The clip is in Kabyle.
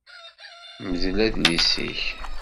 Mdel adlis-ik.